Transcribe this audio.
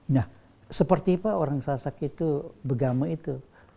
nah seperti apa orang sasak itu begama itu